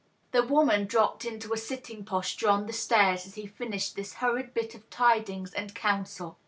The woman dropped into a sitting posture on the stairs as he fin ished this hurried bit of tidings and counsel.